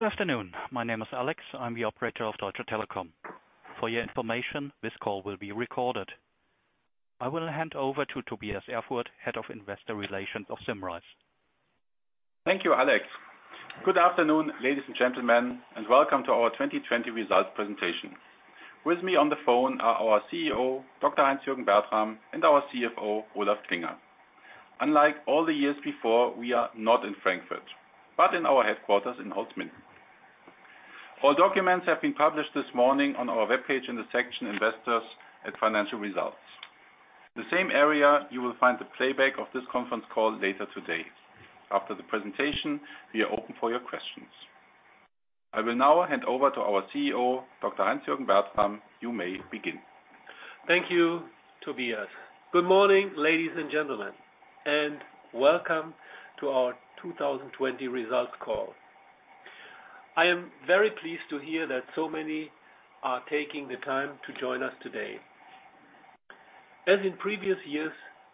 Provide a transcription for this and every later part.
Good afternoon. My name is Alex. I'm the operator of Deutsche Telekom. For your information, this call will be recorded. I will hand over to Tobias Erfurth, Head of Investor Relations of Symrise. Thank you, Alex. Good afternoon, ladies and gentlemen, and welcome to our 2020 Results Presentation. With me on the phone are our CEO, Dr. Heinz-Jürgen Bertram, and our CFO, Olaf Klinger. Unlike all the years before, we are not in Frankfurt, but in our headquarters in Holzminden. All documents have been published this morning on our webpage in the section Investors at Financial Results. The same area, you will find the playback of this conference call later today. After the presentation, we are open for your questions. I will now hand over to our CEO, Dr. Heinz-Jürgen Bertram. You may begin. Thank you, Tobias. Good morning, ladies and gentlemen, and welcome to our 2020 Results Call. I am very pleased to hear that so many are taking the time to join us today. As in previous years,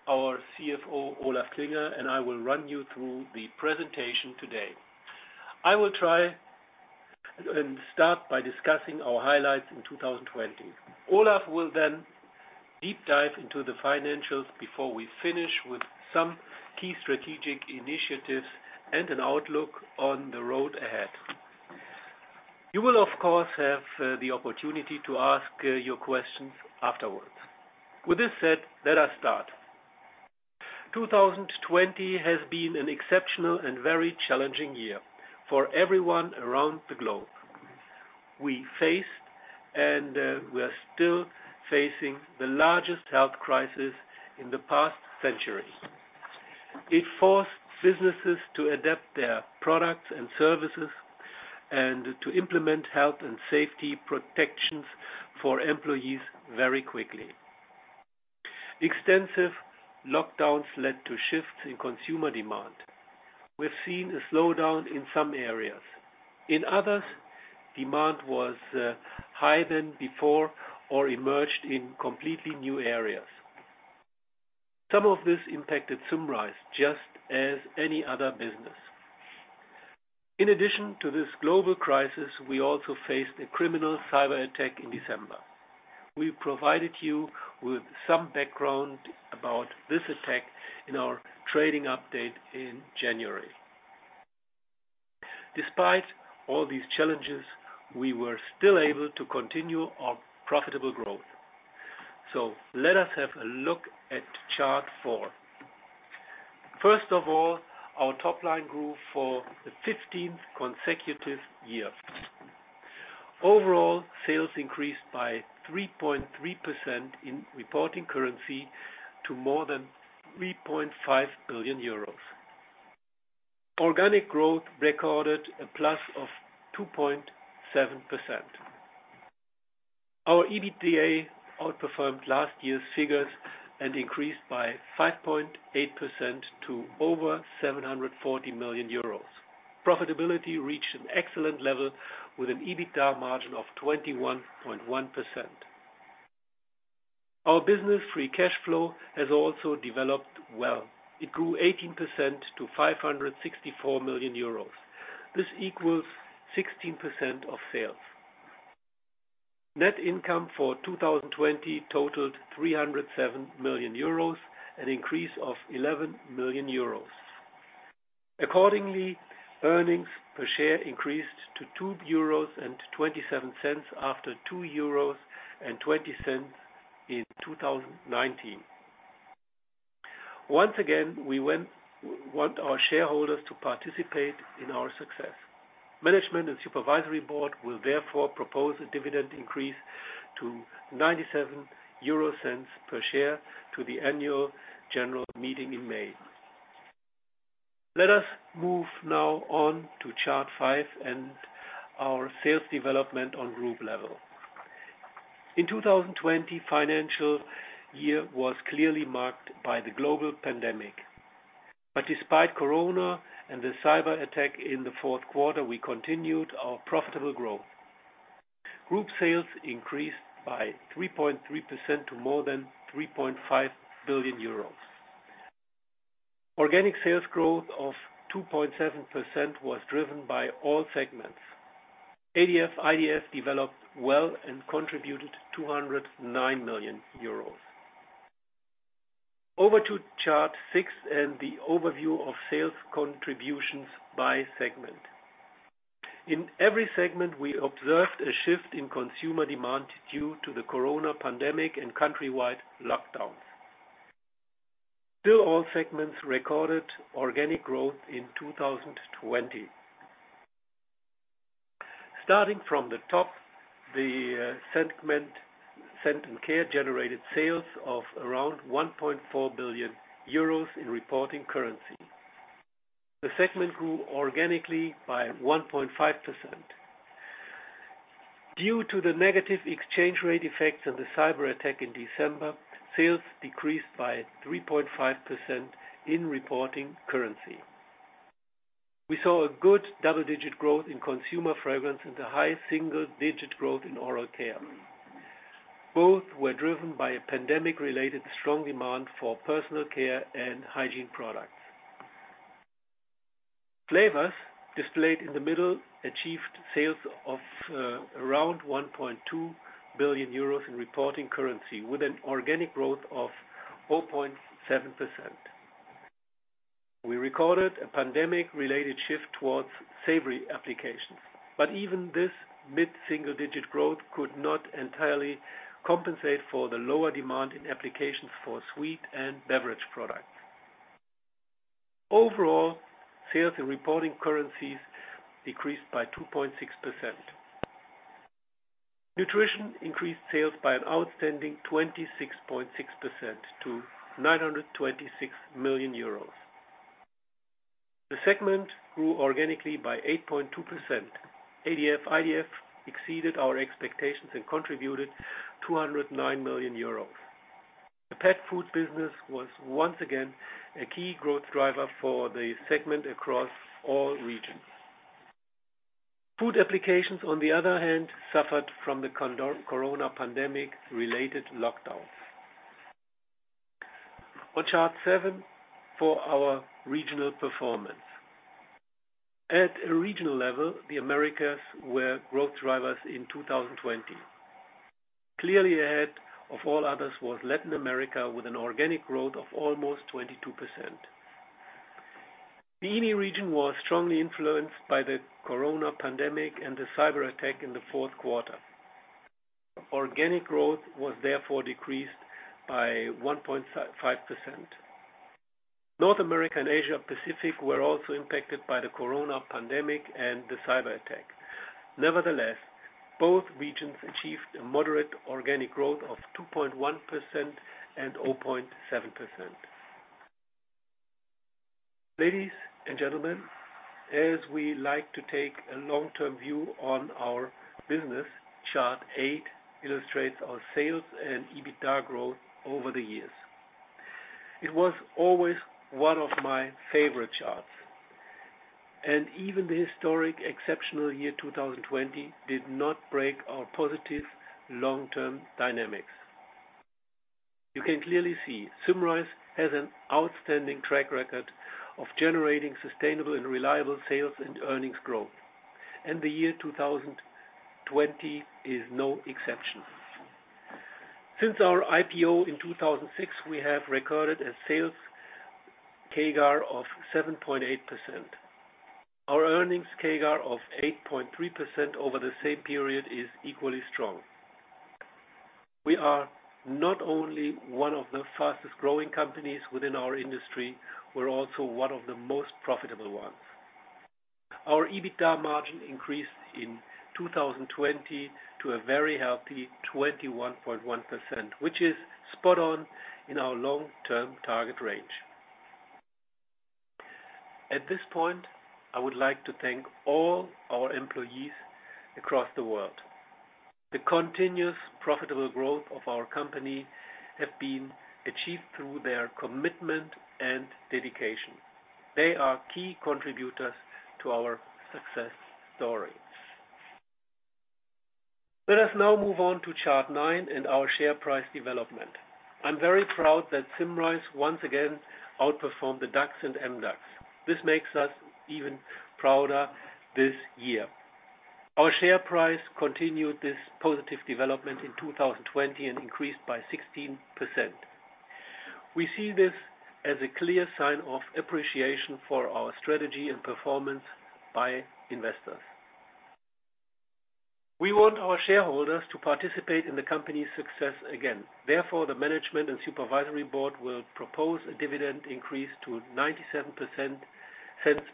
our CFO, Olaf Klinger, and I will run you through the presentation today. I will try and start by discussing our highlights in 2020. Olaf will deep dive into the financials before we finish with some key strategic initiatives and an outlook on the road ahead. You will, of course, have the opportunity to ask your questions afterwards. With this said, let us start. 2020 has been an exceptional and very challenging year for everyone around the globe. We faced, and we are still facing, the largest health crisis in the past century. It forced businesses to adapt their products and services and to implement health and safety protections for employees very quickly. Extensive lockdowns led to shifts in consumer demand. We've seen a slowdown in some areas. In others, demand was higher than before or emerged in completely new areas. Some of this impacted Symrise just as any other business. In addition to this global crisis, we also faced a criminal cyber attack in December. We provided you with some background about this attack in our trading update in January. Despite all these challenges, we were still able to continue our profitable growth. Let us have a look at chart four. First of all, our top line grew for the 15th consecutive year. Overall, sales increased by 3.3% in reporting currency to more than 3.5 billion euros. Organic growth recorded a plus of 2.7%. Our EBITDA outperformed last year's figures and increased by 5.8% to over 740 million euros. Profitability reached an excellent level with an EBITDA margin of 21.1%. Our Business Free Cash Flow has also developed well. It grew 18% to 564 million euros. This equals 16% of sales. Net income for 2020 totaled 307 million euros, an increase of 11 million euros. Accordingly, earnings per share increased to 2.27 euros after 2.20 euros in 2019. Once again, we want our shareholders to participate in our success. Management and supervisory board will therefore propose a dividend increase to 0.97 per share to the Annual General Meeting in May. Let us move now on to chart five and our sales development on group level. In 2020, financial year was clearly marked by the global pandemic. Despite corona and the cyber attack in the fourth quarter, we continued our profitable growth. Group sales increased by 3.3% to more than 3.5 billion euros. Organic sales growth of 2.7% was driven by all segments. ADF/IDF developed well and contributed 209 million euros. Over to chart six and the overview of sales contributions by segment. In every segment, we observed a shift in consumer demand due to the corona pandemic and countrywide lockdowns. All segments recorded organic growth in 2020. Starting from the top, the segment Scent & Care generated sales of around 1.4 billion euros in reporting currency. The segment grew organically by 1.5%. Due to the negative exchange rate effects of the cyber attack in December, sales decreased by 3.5% in reporting currency. We saw a good double-digit growth in Consumer Fragrances and a high single-digit growth in oral care. Both were driven by a pandemic-related strong demand for personal care and hygiene products. Flavor, displayed in the middle, achieved sales of around 1.2 billion euros in reporting currency, with an organic growth of 4.7%. We recorded a pandemic-related shift towards savory applications, even this mid-single-digit growth could not entirely compensate for the lower demand in applications for sweet and beverage products. Overall, sales in reporting currencies decreased by 2.6%. Nutrition increased sales by an outstanding 26.6% to 926 million euros. The segment grew organically by 8.2%. ADF/IDF exceeded our expectations and contributed 209 million euros. The pet food business was once again a key growth driver for the segment across all regions. Food applications, on the other hand, suffered from the COVID pandemic-related lockdowns. On chart seven for our regional performance. At a regional level, the Americas were growth drivers in 2020. Clearly ahead of all others was Latin America with an organic growth of almost 22%. The EMEA region was strongly influenced by the COVID pandemic and the cyber attack in the fourth quarter. Organic growth was therefore decreased by 1.5%. North America and Asia-Pacific were also impacted by the COVID pandemic and the cyber attack. Nevertheless, both regions achieved a moderate organic growth of 2.1% and 0.7%. Ladies and gentlemen, as we like to take a long-term view on our business, chart eight illustrates our sales and EBITDA growth over the years. It was always one of my favorite charts, and even the historic exceptional year 2020 did not break our positive long-term dynamics. You can clearly see Symrise has an outstanding track record of generating sustainable and reliable sales and earnings growth, and the year 2020 is no exception. Since our IPO in 2006, we have recorded a sales CAGR of 7.8%. Our earnings CAGR of 8.3% over the same period is equally strong. We are not only one of the fastest-growing companies within our industry, we're also one of the most profitable ones. Our EBITDA margin increased in 2020 to a very healthy 21.1%, which is spot on in our long-term target range. At this point, I would like to thank all our employees across the world. The continuous profitable growth of our company have been achieved through their commitment and dedication. They are key contributors to our success story. Let us now move on to chart nine and our share price development. I'm very proud that Symrise once again outperformed the DAX and MDAX. This makes us even prouder this year. Our share price continued this positive development in 2020 and increased by 16%. We see this as a clear sign of appreciation for our strategy and performance by investors. We want our shareholders to participate in the company's success again. Therefore, the management and supervisory board will propose a dividend increase to 0.97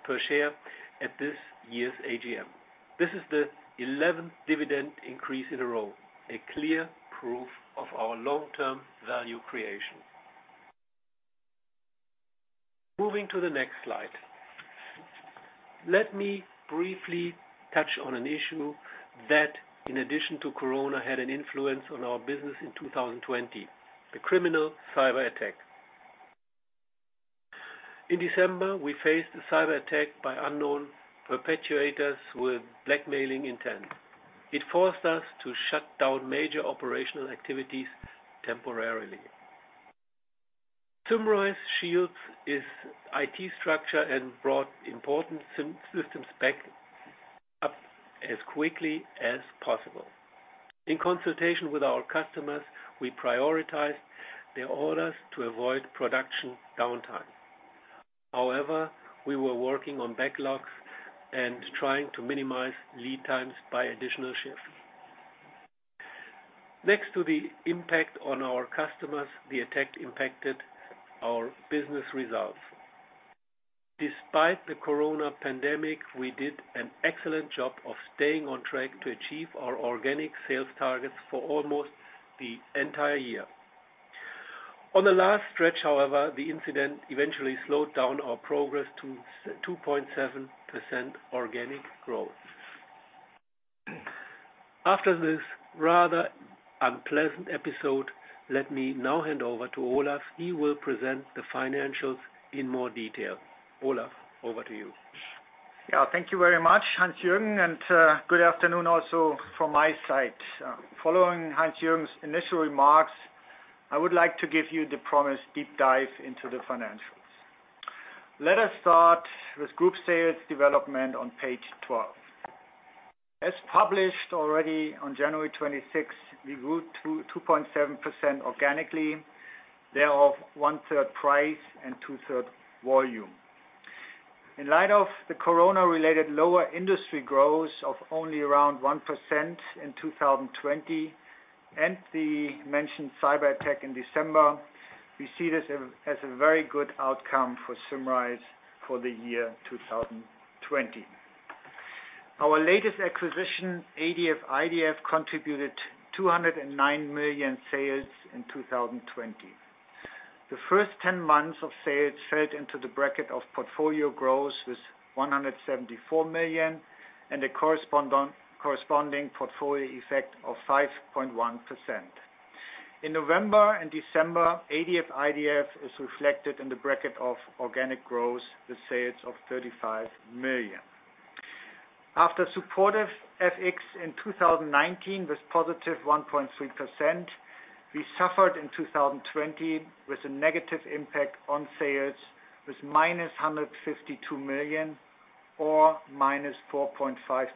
per share at this year's AGM. This is the 11th dividend increase in a row, a clear proof of our long-term value creation. Moving to the next slide. Let me briefly touch on an issue that, in addition to corona, had an influence on our business in 2020, the criminal cyber attack. In December, we faced a cyber attack by unknown perpetrators with blackmailing intent. It forced us to shut down major operational activities temporarily. Symrise shields its IT structure and brought important systems back up as quickly as possible. In consultation with our customers, we prioritized their orders to avoid production downtime. However, we were working on backlogs and trying to minimize lead times by additional shifts. Next to the impact on our customers, the attack impacted our business results. Despite the corona pandemic, we did an excellent job of staying on track to achieve our organic sales targets for almost the entire year. On the last stretch, however, the incident eventually slowed down our progress to 2.7% organic growth. After this rather unpleasant episode, let me now hand over to Olaf. He will present the financials in more detail. Olaf, over to you. Yeah, thank you very much, Heinz-Jürgen, and good afternoon also from my side. Following Heinz-Jürgen's initial remarks, I would like to give you the promised deep dive into the financials. Let us start with group sales development on page 12. As published already on January 26th, we grew 2.7% organically, thereof 1/3 price and 2/3 volume. In light of the corona-related lower industry growth of only around 1% in 2020 and the mentioned cyberattack in December, we see this as a very good outcome for Symrise for the year 2020. Our latest acquisition, ADF/IDF, contributed 209 million sales in 2020. The first 10 months of sales fell into the bracket of portfolio growth with 174 million, and a corresponding portfolio effect of 5.1%. In November and December, ADF/IDF is reflected in the bracket of organic growth with sales of 35 million. After supportive FX in 2019 with +1.3%, we suffered in 2020 with a negative impact on sales with -152 million or -4.5%.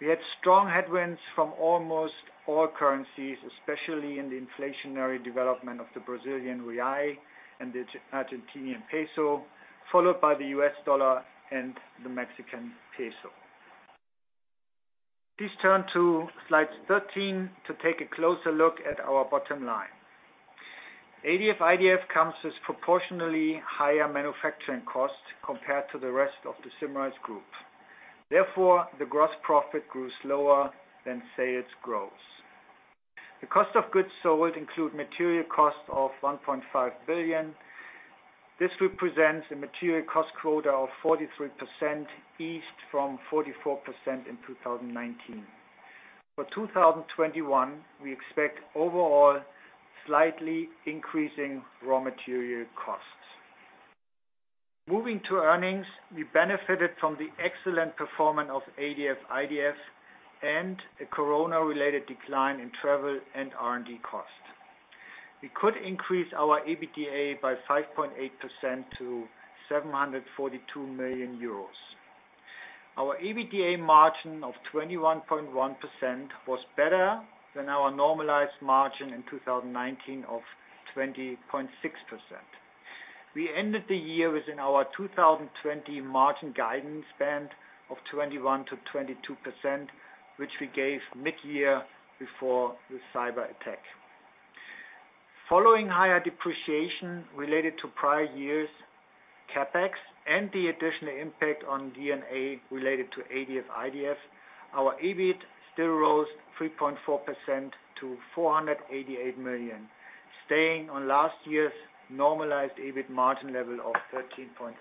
We had strong headwinds from almost all currencies, especially in the inflationary development of the Brazilian real and the Argentinian peso, followed by the U.S. dollar and the Mexican peso. Please turn to slide 13 to take a closer look at our bottom line. ADF/IDF comes with proportionally higher manufacturing costs compared to the rest of the Symrise group. Therefore, the gross profit grew slower than sales growth. The cost of goods sold include material cost of 1.5 billion. This represents a material cost quota of 43%, eased from 44% in 2019. For 2021, we expect overall slightly increasing raw material costs. Moving to earnings, we benefited from the excellent performance of ADF/IDF and a COVID-related decline in travel and R&D costs. We could increase our EBITDA by 5.8% to 742 million euros. Our EBITDA margin of 21.1% was better than our normalized margin in 2019 of 20.6%. We ended the year within our 2020 margin guidance band of 21%-22%, which we gave mid-year before the cyberattack. Following higher depreciation related to prior years CapEx and the additional impact on D&A related to ADF/IDF, our EBIT still rose 3.4% to 488 million, staying on last year's normalized EBIT margin level of 13.8%.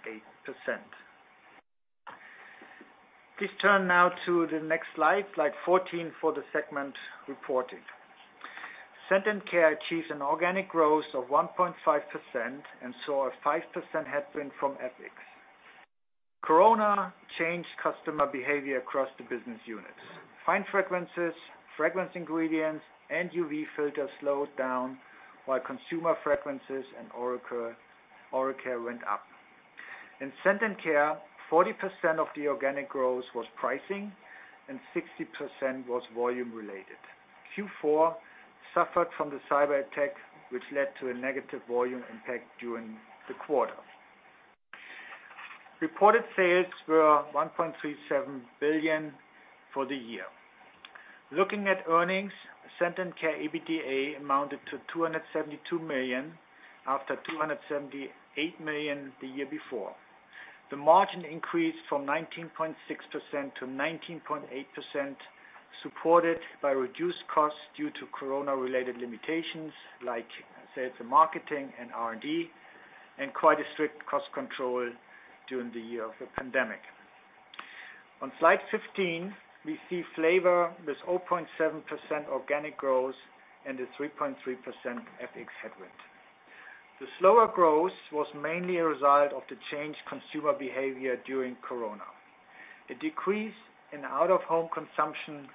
Please turn now to the next slide 14, for the segment reporting. Scent & Care achieved an organic growth of 1.5% and saw a 5% headwind from FX. COVID changed customer behavior across the business units. fine fragrances, fragrance ingredients, and UV filters slowed down while consumer fragrances and oral care went up. In Scent & Care, 40% of the organic growth was pricing and 60% was volume related. Q4 suffered from the cyberattack, which led to a negative volume impact during the quarter. Reported sales were 1.37 billion for the year. Looking at earnings, Scent & Care EBITDA amounted to 272 million after 278 million the year before. The margin increased from 19.6% to 19.8%, supported by reduced costs due to COVID-related limitations like sales and marketing and R&D, and quite a strict cost control during the year of the pandemic. On slide 15, we see Flavor with 0.7% organic growth and a 3.3% FX headwind. The slower growth was mainly a result of the changed consumer behavior during COVID. A decrease in out-of-home consumption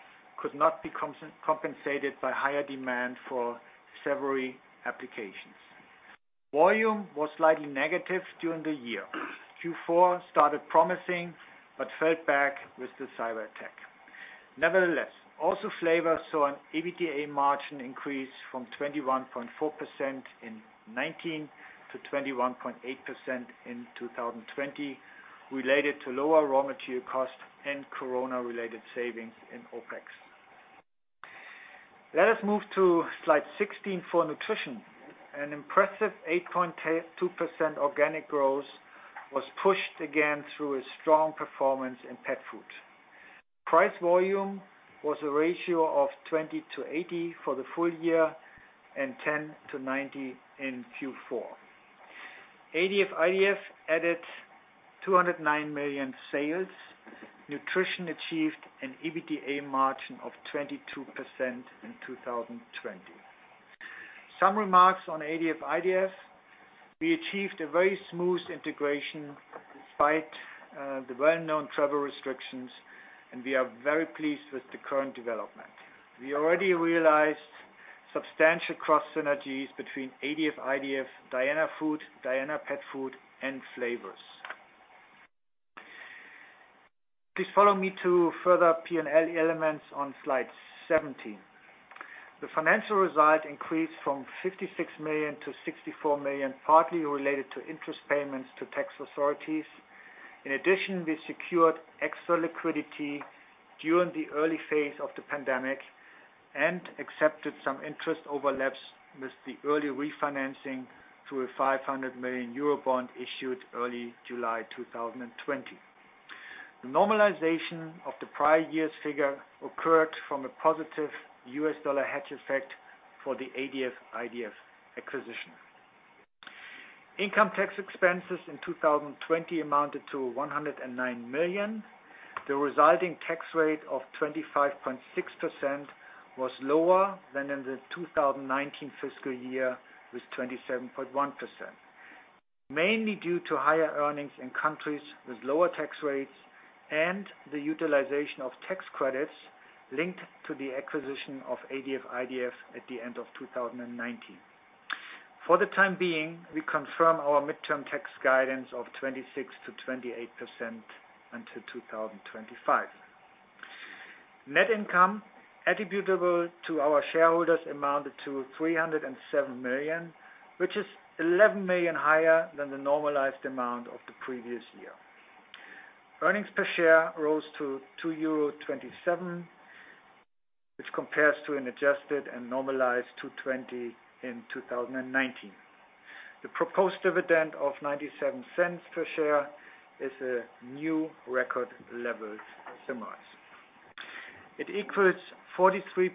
could not be compensated by higher demand for savory applications. Volume was slightly negative during the year. Q4 started promising but fell back with the cyberattack. Nevertheless, also Flavor saw an EBITDA margin increase from 21.4% in 2019 to 21.8% in 2020, related to lower raw material cost and COVID-related savings in OpEx. Let us move to slide 16 for Nutrition. An impressive 8.2% organic growth was pushed again through a strong performance in pet food. Price volume was a ratio of 20:80 for the full year and 10:90 in Q4. ADF/IDF added 209 million sales. Nutrition achieved an EBITDA margin of 22% in 2020. Some remarks on ADF/IDF. We achieved a very smooth integration despite the well-known travel restrictions, and we are very pleased with the current development. We already realized substantial cross synergies between ADF/IDF, Diana Food, Diana Pet Food, and flavors. Please follow me to further P&L elements on slide 17. The financial result increased from 56 million to 64 million, partly related to interest payments to tax authorities. We secured extra liquidity during the early phase of the pandemic and accepted some interest overlaps with the early refinancing through a 500 million Eurobond issued early July 2020. The normalization of the prior year's figure occurred from a positive U.S. dollar hedge effect for the ADF/IDF acquisition. Income tax expenses in 2020 amounted to 109 million. The resulting tax rate of 25.6% was lower than in the 2019 fiscal year, with 27.1%, mainly due to higher earnings in countries with lower tax rates and the utilization of tax credits linked to the acquisition of ADF/IDF at the end of 2019. For the time being, we confirm our midterm tax guidance of 26%-28% until 2025. Net income attributable to our shareholders amounted to 307 million, which is 11 million higher than the normalized amount of the previous year. Earnings per share rose to 2.27 euro, which compares to an adjusted and normalized 2.20 in 2019. The proposed dividend of 0.97 per share is a new record level at Symrise. It equals 43%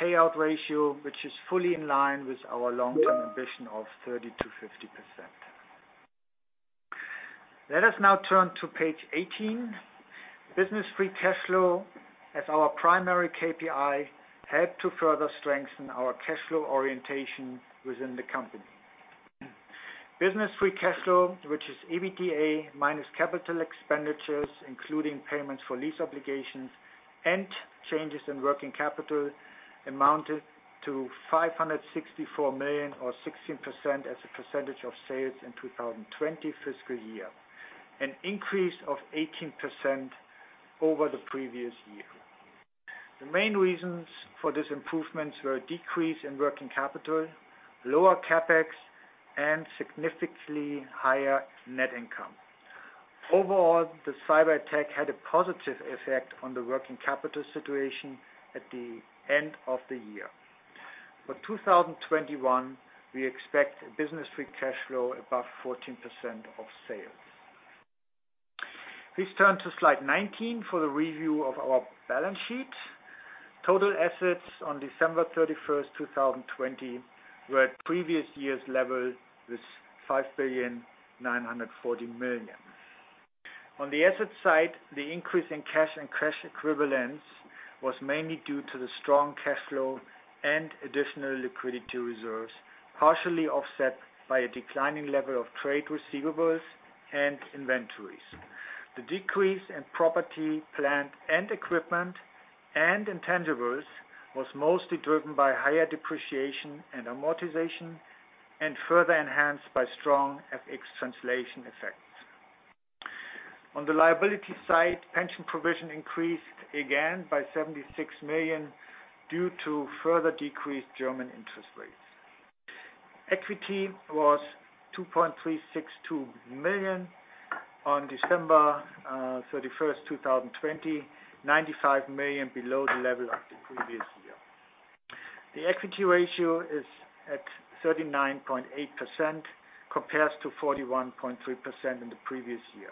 payout ratio, which is fully in line with our long-term ambition of 30%-50%. Let us now turn to page 18. Business Free Cash Flow as our primary KPI helped to further strengthen our cash flow orientation within the company. Business Free Cash Flow, which is EBITDA minus Capital Expenditures, including payments for lease obligations and changes in working capital, amounted to 564 million or 16% as a percentage of sales in 2020 fiscal year, an increase of 18% over the previous year. The main reasons for this improvement were a decrease in working capital, lower CapEx, and significantly higher net income. Overall, the cyber attack had a positive effect on the working capital situation at the end of the year. For 2021, we expect Business Free Cash Flow above 14% of sales. Please turn to slide 19 for the review of our balance sheet. Total assets on December 31st, 2020, were at previous year's level with 5.94 billion. On the asset side, the increase in cash and cash equivalents was mainly due to the strong cash flow and additional liquidity reserves, partially offset by a declining level of trade receivables and inventories. The decrease in property, plant, and equipment and intangibles was mostly driven by higher Depreciation and Amortization and further enhanced by strong FX translation effects. On the liability side, pension provision increased again by 76 million due to further decreased German interest rates. Equity was 2.362 million on December 31st, 2020, 95 million below the level of the previous year. The equity ratio is at 39.8%, compares to 41.3% in the previous year.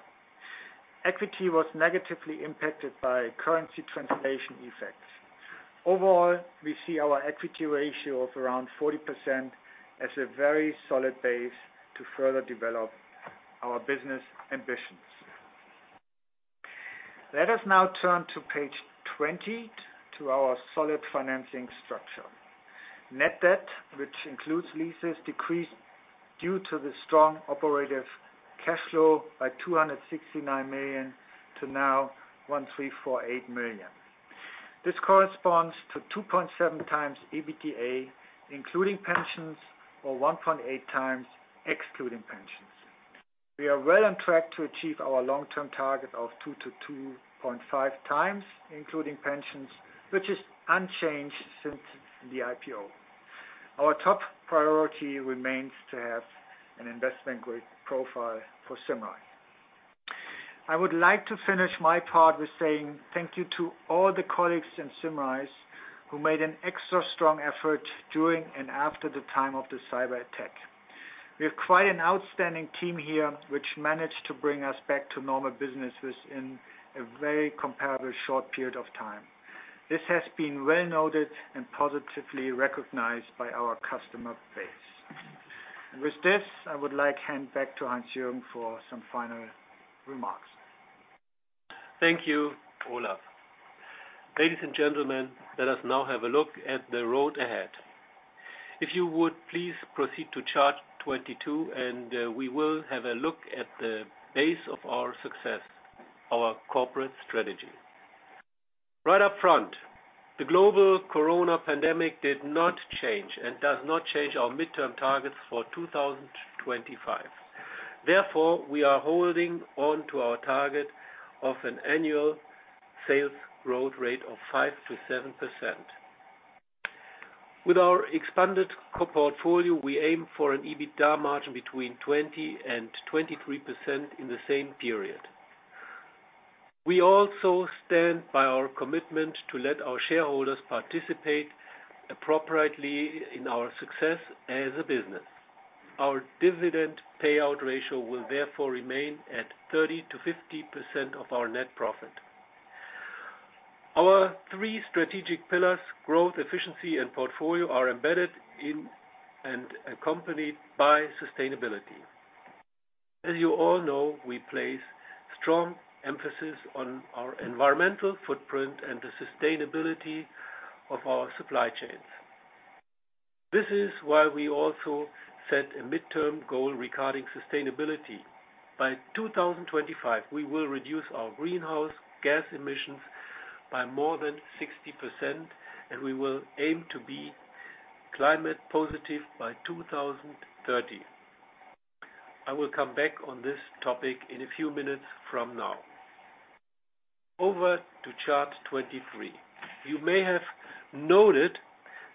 Equity was negatively impacted by currency translation effects. Overall, we see our equity ratio of around 40% as a very solid base to further develop our business ambitions. Let us now turn to page 20 to our solid financing structure. Net debt, which includes leases, decreased due to the strong operative cash flow by 269 million to now 1.348 million. This corresponds to 2.7x EBITDA, including pensions or 1.8x excluding pensions. We are well on track to achieve our long-term target of 2x-2.5x, including pensions, which is unchanged since the IPO. Our top priority remains to have an investment-grade profile for Symrise. I would like to finish my part with saying thank you to all the colleagues in Symrise who made an extra strong effort during and after the time of the cyber attack. We have quite an outstanding team here, which managed to bring us back to normal business within a very comparably short period of time. This has been well noted and positively recognized by our customer base. With this, I would like hand back to Heinz-Jürgen for some final remarks. Thank you, Olaf. Ladies and gentlemen, let us now have a look at the road ahead. If you would please proceed to chart 22, and we will have a look at the base of our success, our corporate strategy. Right up front, the global corona pandemic did not change and does not change our midterm targets for 2025. Therefore, we are holding on to our target of an annual sales growth rate of 5%-7%. With our expanded portfolio, we aim for an EBITDA margin between 20% and 23% in the same period. We also stand by our commitment to let our shareholders participate appropriately in our success as a business. Our dividend payout ratio will therefore remain at 30%-50% of our net profit. Our three strategic pillars, growth, efficiency and portfolio, are embedded in and accompanied by sustainability. As you all know, we place strong emphasis on our environmental footprint and the sustainability of our supply chains. This is why we also set a midterm goal regarding sustainability. By 2025, we will reduce our greenhouse gas emissions by more than 60%, and we will aim to be climate positive by 2030. I will come back on this topic in a few minutes from now. Over to chart 23. You may have noted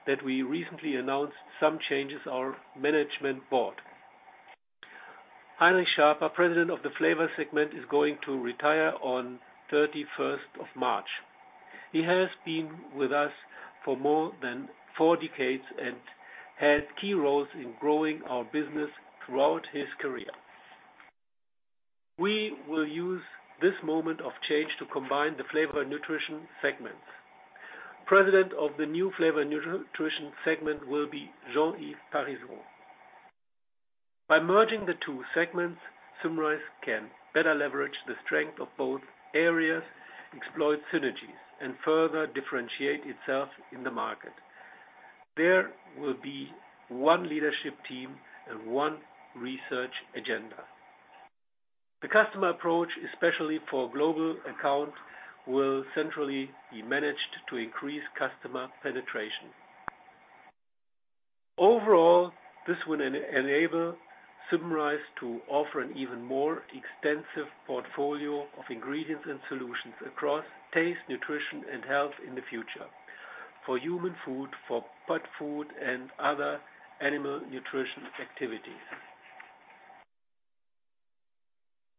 that we recently announced some changes to our management board. Heinrich Schaper, President of the Flavor segment, is going to retire on 31st of March. He has been with us for more than four decades and had key roles in growing our business throughout his career. We will use this moment of change to combine the Flavor and Nutrition segments. President of the new Flavor and Nutrition segment will be Jean-Yves Parisot. By merging the two segments, Symrise can better leverage the strength of both areas, exploit synergies, and further differentiate itself in the market. There will be one leadership team and one research agenda. The customer approach, especially for global accounts, will centrally be managed to increase customer penetration. Overall, this will enable Symrise to offer an even more extensive portfolio of ingredients and solutions across Taste, Nutrition & Health in the future, for human food, for pet food, and other animal nutrition activities.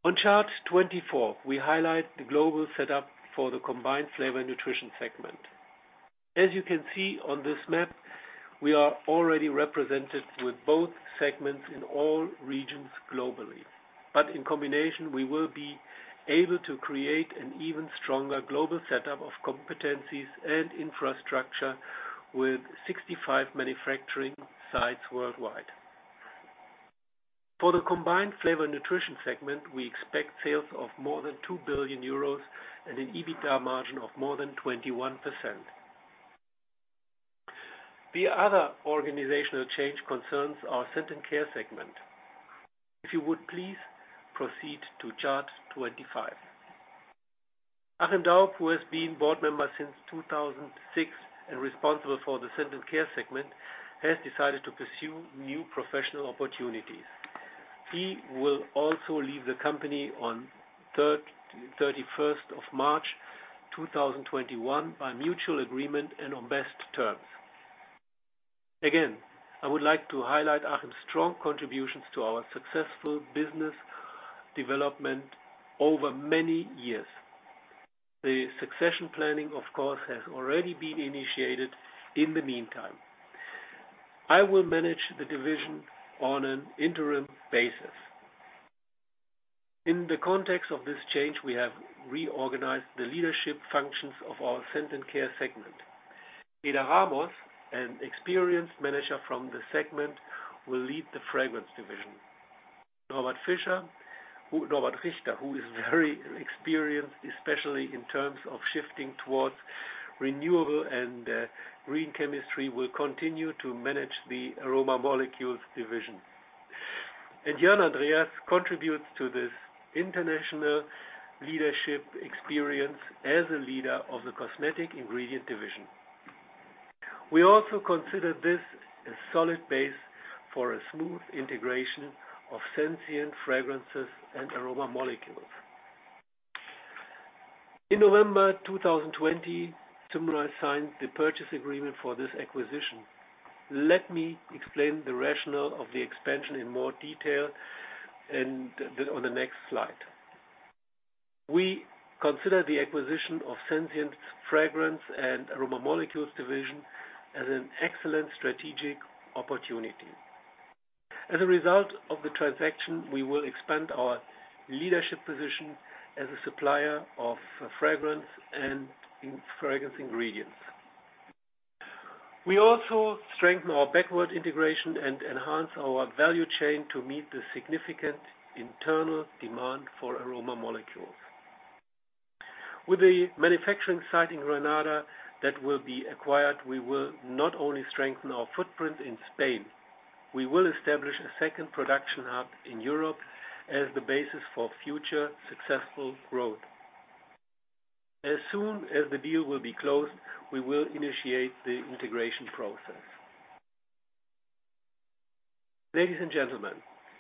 On chart 24, we highlight the global setup for the combined Flavor and Nutrition segment. As you can see on this map, we are already represented with both segments in all regions globally. In combination, we will be able to create an even stronger global setup of competencies and infrastructure with 65 manufacturing sites worldwide. For the combined Flavor and Nutrition segment, we expect sales of more than 2 billion euros and an EBITDA margin of more than 21%. The other organizational change concerns our Scent & Care segment. If you would, please proceed to chart 25. Achim Daub, who has been board member since 2006 and responsible for the Scent & Care segment, has decided to pursue new professional opportunities. He will also leave the company on 31st of March 2021 by mutual agreement and on best terms. I would like to highlight Achim's strong contributions to our successful business development over many years. The succession planning, of course, has already been initiated in the meantime. I will manage the division on an interim basis. In the context of this change, we have reorganized the leadership functions of our Scent & Care segment. Eder Ramos, an experienced manager from the segment, will lead the Fragrance division. Norbert Richter, who is very experienced, especially in terms of shifting towards renewable and green chemistry, will continue to manage the Aroma Molecules division. Jörn Andreas contributes to this international leadership experience as a leader of the Cosmetic Ingredients division. We also consider this a solid base for a smooth integration of Sensient Fragrance and Aroma Molecules. In November 2020, Symrise signed the purchase agreement for this acquisition. Let me explain the rationale of the expansion in more detail and on the next slide. We consider the acquisition of Sensient's Fragrance and Aroma Molecules division as an excellent strategic opportunity. As a result of the transaction, we will expand our leadership position as a supplier of fragrance and fragrance ingredients. We also strengthen our backward integration and enhance our value chain to meet the significant internal demand for aroma molecules. With the manufacturing site in Granada that will be acquired, we will not only strengthen our footprint in Spain, we will establish a second production hub in Europe as the basis for future successful growth. As soon as the deal will be closed, we will initiate the integration process. Ladies and gentlemen,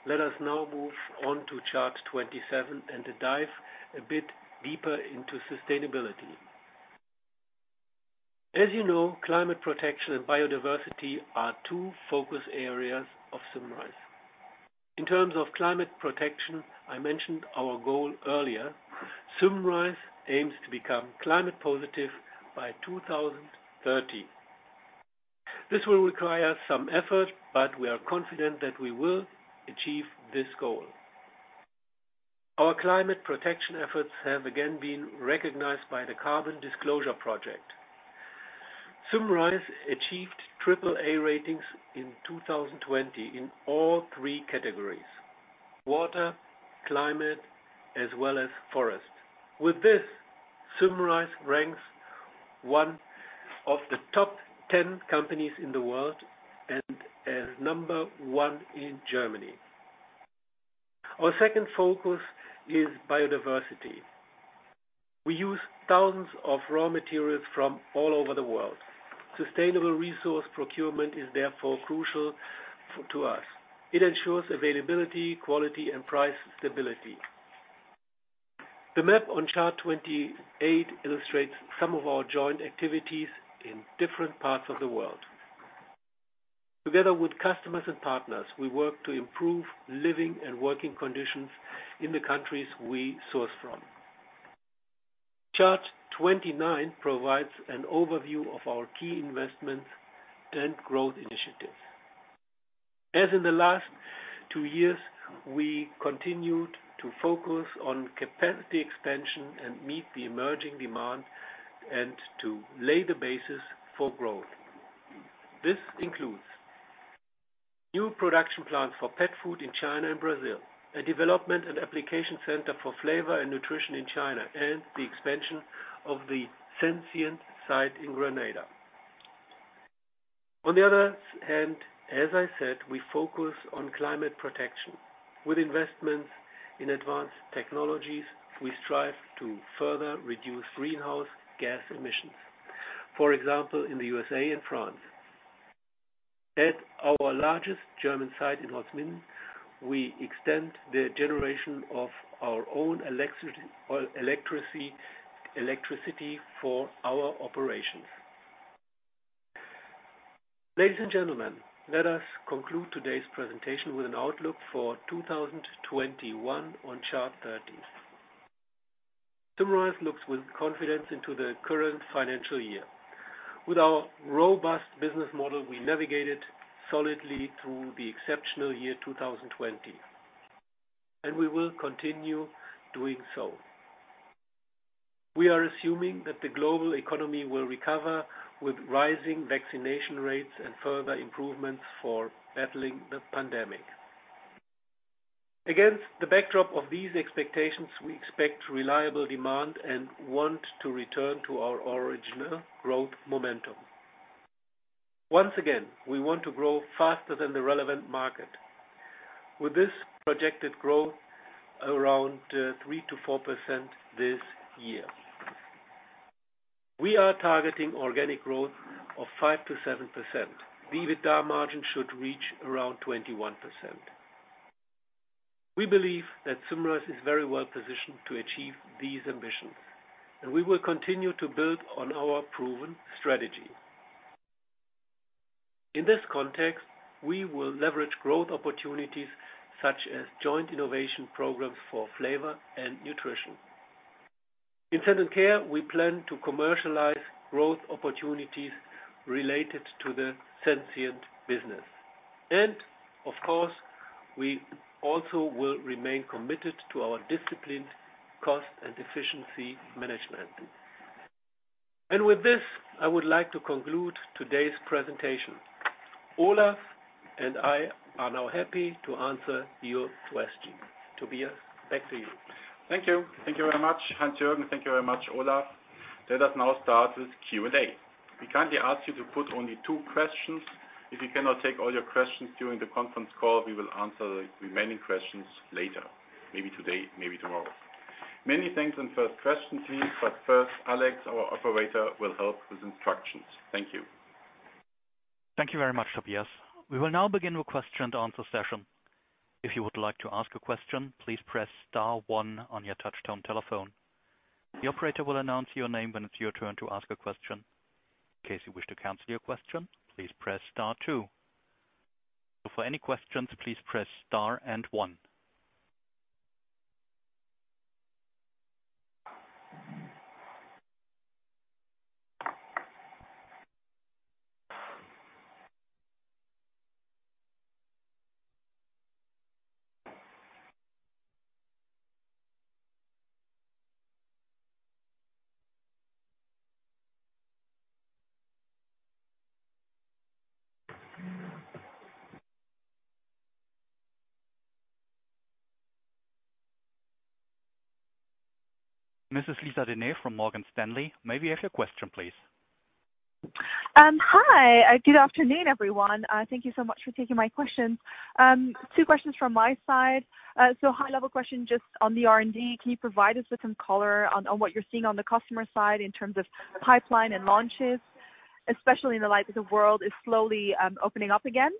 let us now move on to chart 27 and dive a bit deeper into sustainability. As you know, climate protection and biodiversity are two focus areas of Symrise. In terms of climate protection, I mentioned our goal earlier. Symrise aims to become climate positive by 2030. This will require some effort, but we are confident that we will achieve this goal. Our climate protection efforts have again been recognized by the Carbon Disclosure Project. Symrise achieved triple A ratings in 2020 in all three categories, water, climate, as well as forest. With this, Symrise ranks one of the top 10 companies in the world and as number one in Germany. Our second focus is biodiversity. We use thousands of raw materials from all over the world. Sustainable resource procurement is therefore crucial to us. It ensures availability, quality, and price stability. The map on chart 28 illustrates some of our joint activities in different parts of the world. Together with customers and partners, we work to improve living and working conditions in the countries we source from. Chart 29 provides an overview of our key investments and growth initiatives. As in the last two years, we continued to focus on capacity expansion and meet the emerging demand and to lay the basis for growth. This includes new production plants for pet food in China and Brazil, a development and application center for flavor and nutrition in China, and the expansion of the Sensient site in Granada. On the other hand, as I said, we focus on climate protection. With investments in advanced technologies, we strive to further reduce greenhouse gas emissions. For example, in the U.S.A. and France. At our largest German site in Rothenburg, we extend the generation of our own electricity for our operations. Ladies and gentlemen, let us conclude today's presentation with an outlook for 2021 on chart 30. Symrise looks with confidence into the current financial year. With our robust business model, we navigated solidly through the exceptional year 2020. We will continue doing so. We are assuming that the global economy will recover with rising vaccination rates and further improvements for battling the pandemic. Against the backdrop of these expectations, we expect reliable demand and want to return to our original growth momentum. Once again, we want to grow faster than the relevant market. With this projected growth around 3%-4% this year, we are targeting organic growth of 5%-7%. The EBITDA margin should reach around 21%. We believe that Symrise is very well-positioned to achieve these ambitions, and we will continue to build on our proven strategy. In this context, we will leverage growth opportunities such as joint innovation programs for Flavor and Nutrition. In Health and Care, we plan to commercialize growth opportunities related to the Sensient business. Of course, we also will remain committed to our disciplined cost and efficiency management. With this, I would like to conclude today's presentation. Olaf and I are now happy to answer your questions. Tobias, back to you. Thank you. Thank you very much, Heinz-Jürgen. Thank you very much, Olaf. Let us now start this Q&A. We kindly ask you to put only two questions. If we cannot take all your questions during the conference call, we will answer the remaining questions later. Maybe today, maybe tomorrow. Many thanks. First question, please. First, Alex, our operator, will help with instructions. Thank you. Thank you very much, Tobias. We will now begin the question and answer session. If you would like to ask a question, please press star one on your touch-tone telephone. The operator will announce your name when it's your turn to ask a question. In case you wish to cancel your question, please press star two. For any questions, please press star and one. Mrs. Lisa De Neve from Morgan Stanley, may we have your question please? Hi. Good afternoon, everyone. Thank you so much for taking my questions. Two questions from my side. High level question just on the R&D. Can you provide us with some color on what you're seeing on the customer side in terms of pipeline and launches, especially in the light that the world is slowly opening up again?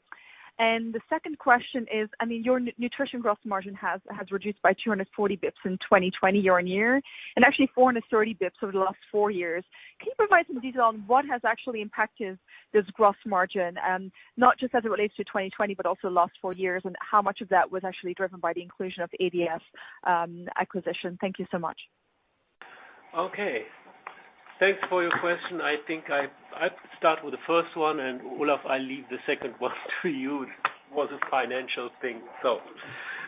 The second question is, your Nutrition gross margin has reduced by 240 basis points in 2020 year-on-year, and actually 430 basis points over the last four years. Can you provide some detail on what has actually impacted this gross margin? Not just as it relates to 2020, but also the last four years, and how much of that was actually driven by the inclusion of ADF acquisition. Thank you so much. Okay. Thanks for your question. I think I start with the first one, and Olaf, I'll leave the second one to you. It was a financial thing.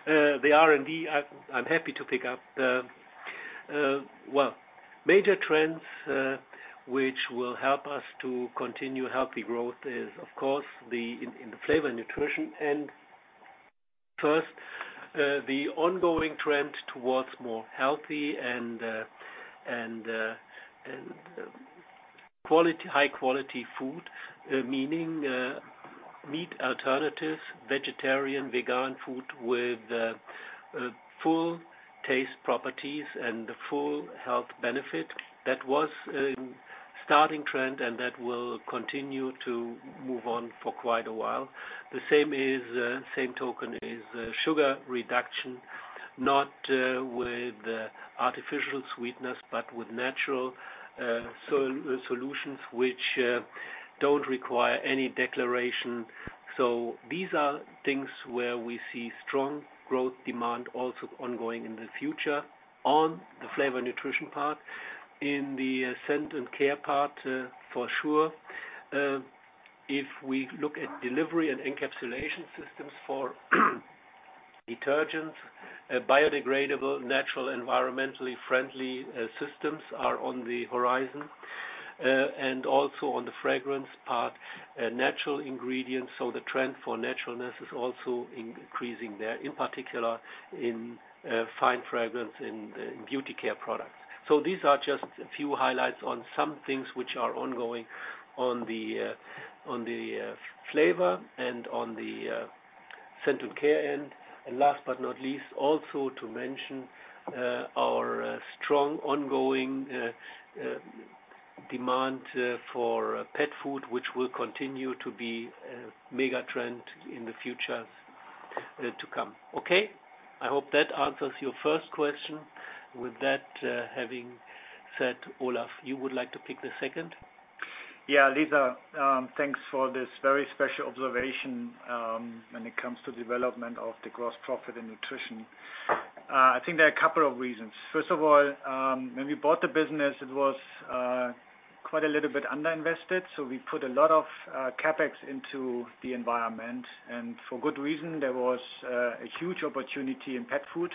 The R&D, I'm happy to pick up. Well, major trends, which will help us to continue healthy growth is, of course, in the Flavor and Nutrition end. First, the ongoing trend towards more healthy and high-quality food, meaning, meat alternatives, vegetarian, vegan food with full taste properties and full health benefit. That was a starting trend, and that will continue to move on for quite a while. The same token is sugar reduction, not with artificial sweetness, but with natural solutions which don't require any declaration. These are things where we see strong growth demand also ongoing in the future on the Flavor and Nutrition part. In the Scent & Care part, for sure, if we look at delivery and encapsulation systems for detergents, biodegradable, natural, environmentally friendly systems are on the horizon. Also on the fragrance part, natural ingredients, the trend for naturalness is also increasing there, in particular in fine fragrance in beauty care products. These are just a few highlights on some things which are ongoing on the Flavor and on the Scent & Care end. Last but not least, also to mention our strong ongoing demand for pet food, which will continue to be a mega trend in the future to come. Okay. I hope that answers your first question. With that having said, Olaf, you would like to pick the second? Yeah, Lisa, thanks for this very special observation, when it comes to development of the gross profit in Nutrition. I think there are a couple of reasons. First of all, when we bought the business, it was quite a little bit under-invested, so we put a lot of CapEx into the environment. For good reason, there was a huge opportunity in pet food,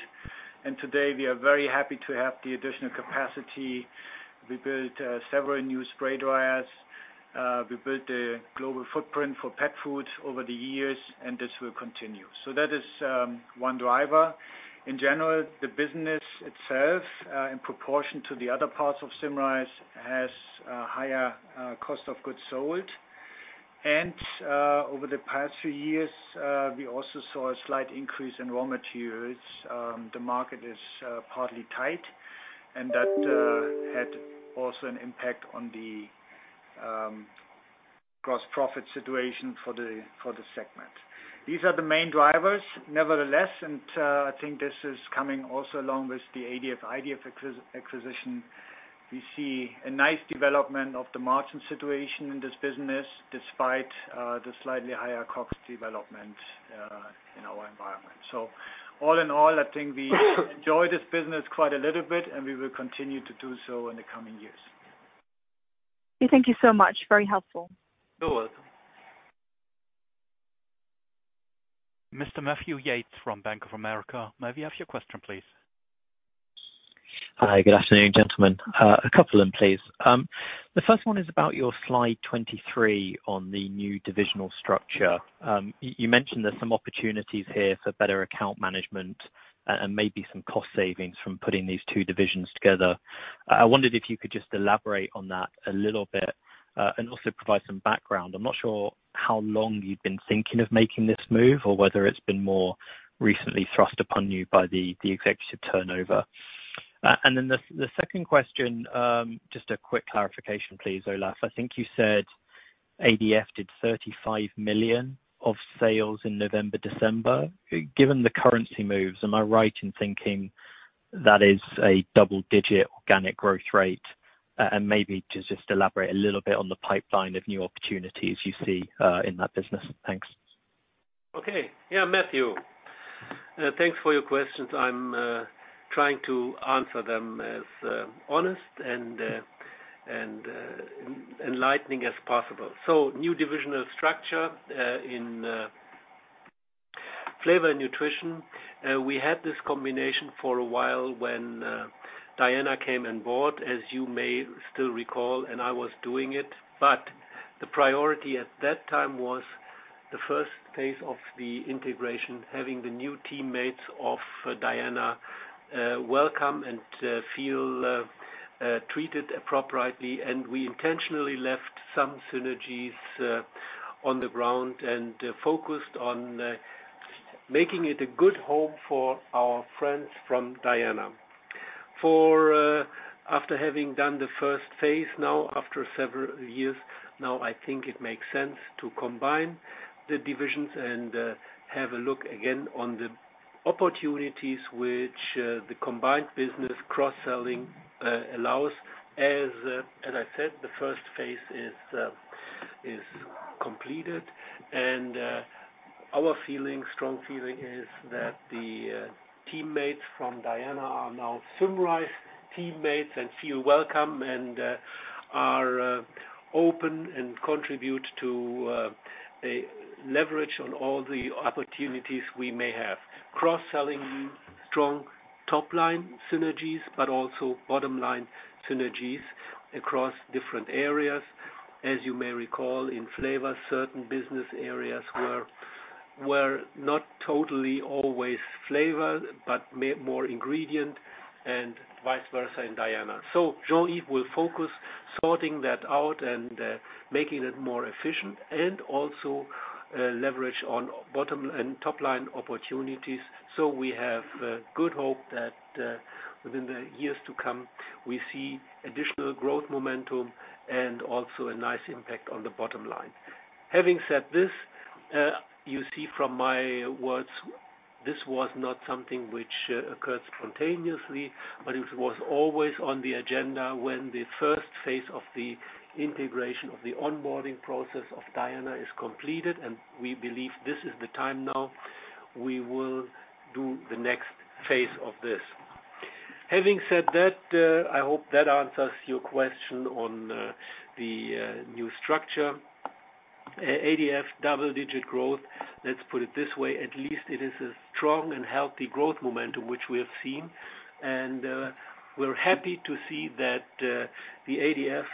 and today we are very happy to have the additional capacity. We built several new spray dryers. We built a global footprint for pet food over the years, and this will continue. That is one driver. In general, the business itself, in proportion to the other parts of Symrise, has a higher cost of goods sold. Over the past few years, we also saw a slight increase in raw materials. The market is partly tight, and that had also an impact on the gross profit situation for the segment. These are the main drivers, nevertheless, and I think this is coming also along with the ADF/IDF acquisition. We see a nice development of the margin situation in this business, despite the slightly higher cost development in our environment. All in all, I think we enjoy this business quite a little bit, and we will continue to do so in the coming years. Thank you so much. Very helpful. You're welcome. Mr. Matthew Yates from Bank of America, may we have your question please? Hi. Good afternoon, gentlemen. A couple, please. The first one is about your slide 23 on the new divisional structure. You mentioned there's some opportunities here for better account management and maybe some cost savings from putting these two divisions together. I wondered if you could just elaborate on that a little bit, and also provide some background. I'm not sure how long you've been thinking of making this move or whether it's been more recently thrust upon you by the executive turnover. The second question, just a quick clarification, please, Olaf. I think you said ADF did 35 million of sales in November, December. Given the currency moves, am I right in thinking that is a double-digit organic growth rate? Maybe to just elaborate a little bit on the pipeline of new opportunities you see in that business. Thanks. Okay. Yeah, Matthew, thanks for your questions. I'm trying to answer them as honest and enlightening as possible. New divisional structure in Flavor and Nutrition. We had this combination for a while when Diana came on board, as you may still recall, and I was doing it, but the priority at that time was the first phase of the integration, having the new teammates of Diana welcome and feel treated appropriately. We intentionally left some synergies on the ground and focused on making it a good home for our friends from Diana. After having done the first phase now after several years, now I think it makes sense to combine the divisions and have a look again at the opportunities which the combined business cross-selling allows. As I said, the first phase is completed, and our strong feeling is that the teammates from Diana are now Symrise teammates and feel welcome and are open and contribute to leverage on all the opportunities we may have. Cross-selling strong top-line synergies, but also bottom-line synergies across different areas. As you may recall, in Flavor, certain business areas were not totally always Flavor, but more ingredient and vice versa in Diana. Jean-Yves will focus sorting that out and making it more efficient and also leverage on bottom and top-line opportunities. We have good hope that within the years to come, we see additional growth momentum and also a nice impact on the bottom line. Having said this, you see from my words, this was not something which occurred spontaneously, but it was always on the agenda when the first phase of the integration of the onboarding process of Diana is completed, and we believe this is the time now we will do the next phase of this. Having said that, I hope that answers your question on the new structure. ADF double-digit growth. Let's put it this way. At least it is a strong and healthy growth momentum, which we have seen, and we are happy to see that the ADF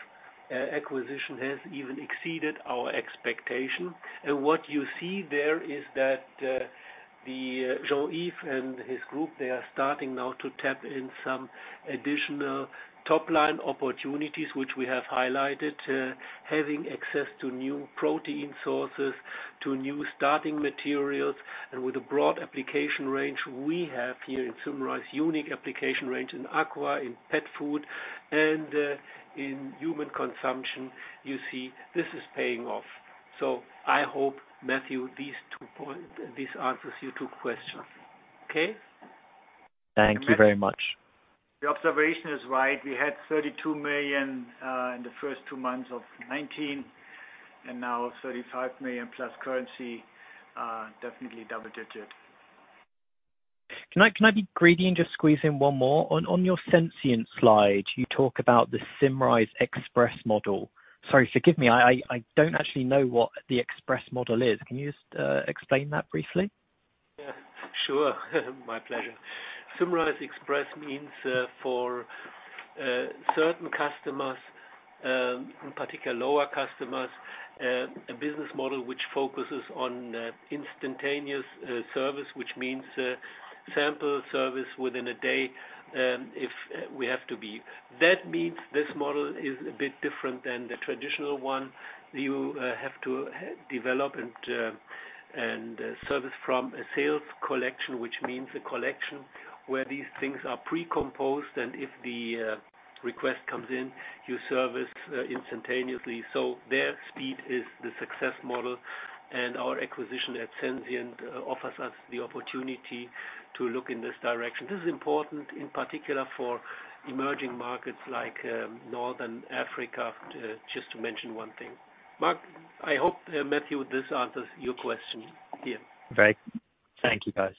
acquisition has even exceeded our expectation. What you see there is that Jean-Yves and his group, they are starting now to tap in some additional top-line opportunities, which we have highlighted, having access to new protein sources, to new starting materials, and with a broad application range we have here in Symrise, unique application range in aqua, in pet food, and in human consumption. You see, this is paying off. I hope, Matthew, these two points, this answers your two questions. Okay? Thank you very much. The observation is right. We had 32 million in the first two months of 2019, and now 35 million plus currency, definitely double digits. Can I be greedy and just squeeze in one more? On your Sensient slide, you talk about the Symrise Express model. Sorry, forgive me, I don't actually know what the Express model is. Can you just explain that briefly? Yeah, sure. My pleasure. Symrise Express means for certain customers, in particular lower customers, a business model which focuses on instantaneous service, which means sample service within a day, if we have to be. This model is a bit different than the traditional one. You have to develop and service from a sales collection, which means a collection where these things are pre-composed, and if the request comes in, you service instantaneously. Their speed is the success model, and our acquisition at Sensient offers us the opportunity to look in this direction. This is important in particular for emerging markets like Northern Africa, just to mention one thing. Matt, I hope, Matthew, this answers your question here. Great. Thank you, guys.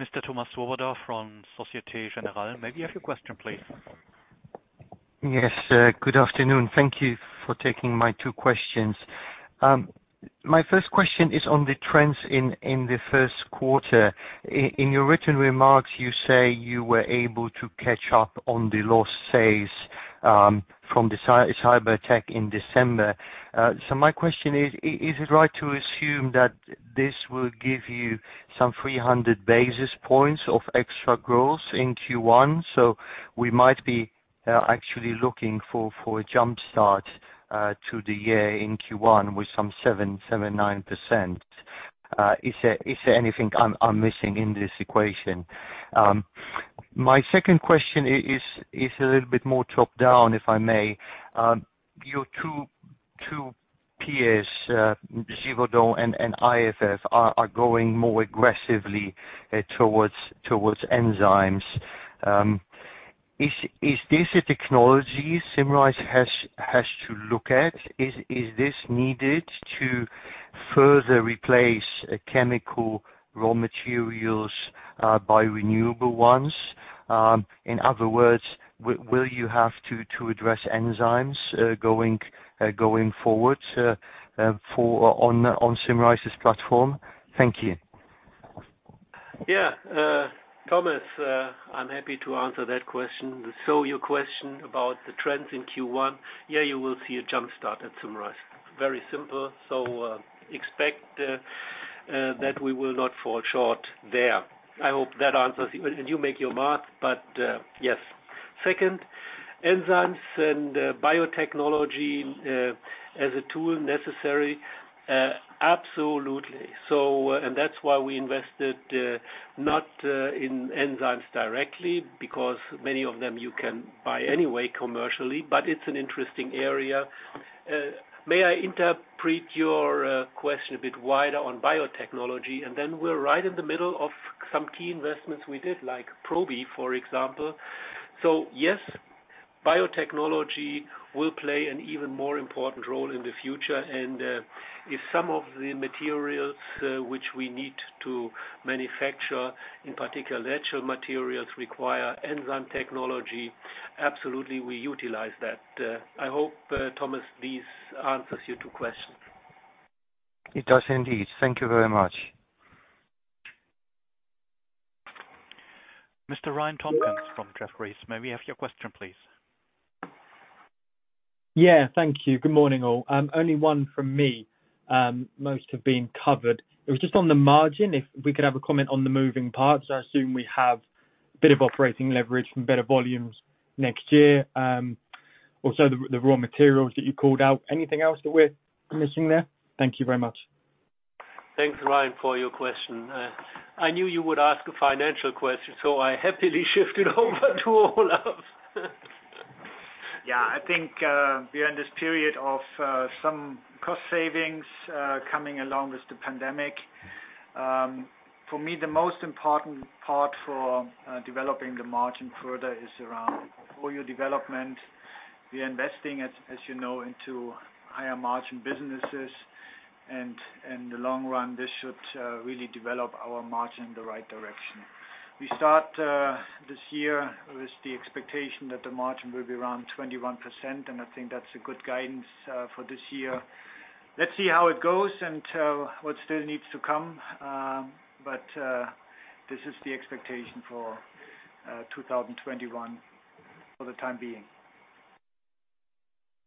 Okay. Mr. Thomas Swoboda from Societe Generale. May we have your question, please? Yes, good afternoon. Thank you for taking my two questions. My first question is on the trends in the first quarter. In your written remarks, you say you were able to catch up on the lost sales from the cyber attack in December. My question is it right to assume that this will give you some 300 basis points of extra growth in Q1? We might be actually looking for a jump start to the year in Q1 with some 7%, 9%. Is there anything I'm missing in this equation? My second question is a little bit more top-down, if I may. Your two peers, Givaudan and IFF, are going more aggressively towards enzymes. Is this a technology Symrise has to look at? Is this needed to further replace chemical raw materials by renewable ones? In other words, will you have to address enzymes going forward on Symrise's platform? Thank you. Thomas, I'm happy to answer that question. Your question about the trends in Q1, yeah, you will see a jumpstart at Symrise. Very simple. Expect that we will not fall short there. I hope that answers, and you make your math, but, yes. Second, enzymes and biotechnology as a tool necessary, absolutely. That's why we invested not in enzymes directly, because many of them you can buy anyway commercially, but it's an interesting area. May I interpret your question a bit wider on biotechnology, and then we're right in the middle of some key investments we did, like Probi, for example. Yes, biotechnology will play an even more important role in the future. If some of the materials which we need to manufacture, in particular natural materials, require enzyme technology, absolutely we utilize that. I hope, Thomas, this answers your two questions. It does indeed. Thank you very much. Mr. Ryan Tomkins from Jefferies, may we have your question, please? Thank you. Good morning, all. Only one from me. Most have been covered. It was just on the margin, if we could have a comment on the moving parts. I assume we have a bit of operating leverage from better volumes next year. Also the raw materials that you called out. Anything else that we're missing there? Thank you very much. Thanks, Ryan, for your question. I knew you would ask a financial question, so I happily shifted over to Olaf. I think we are in this period of some cost savings coming along with the pandemic. For me, the most important part for developing the margin further is around portfolio development. We are investing, as you know, into higher margin businesses, and in the long run, this should really develop our margin in the right direction. We start this year with the expectation that the margin will be around 21%, and I think that's a good guidance for this year. Let's see how it goes and what still needs to come. This is the expectation for 2021 for the time being.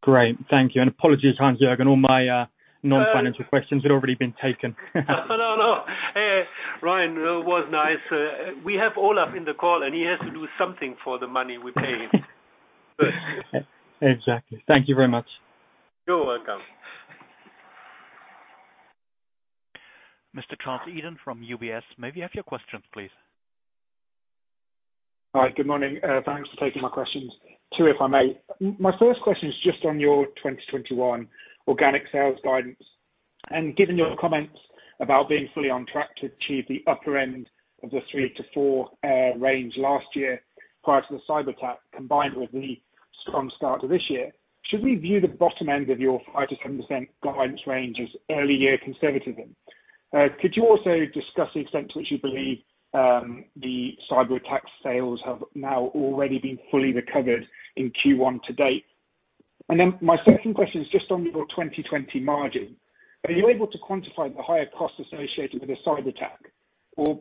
Great, thank you. Apologies, Heinz-Jürgen and all my non-financial questions had already been taken. No, no. Ryan, it was nice. We have Olaf in the call, and he has to do something for the money we pay him. Exactly. Thank you very much. You're welcome. Mr. Charles Eden from UBS, may we have your questions, please? Hi, good morning. Thanks for taking my questions. Two, if I may. My first question is just on your 2021 organic sales guidance. Given your comments about being fully on track to achieve the upper end of the 3%-4% range last year prior to the cyber attack, combined with the strong start to this year, should we view the bottom end of your 5%-7% guidance range as early year conservatism? Could you also discuss the extent to which you believe the cyber attack sales have now already been fully recovered in Q1 to date? My second question is just on your 2020 margin. Are you able to quantify the higher cost associated with a cyber attack?